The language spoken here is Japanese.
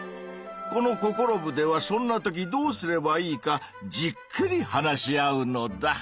このココロ部ではそんなときどうすればいいかじっくり話し合うのだ。